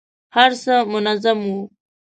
هر څه منظم وو.